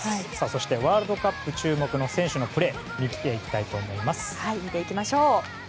そして、ワールドカップ注目の選手のプレーを見ていきましょう。